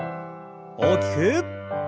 大きく。